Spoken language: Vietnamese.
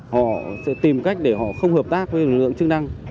họ sẽ tìm cách để họ không hợp tác với lực lượng chức năng